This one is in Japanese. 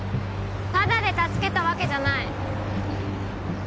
タダで助けたわけじゃない。